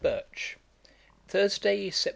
BIRCH. 'Thursday, Sept.